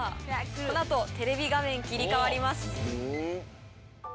この後テレビ画面切り替わります。